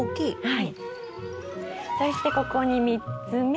はい。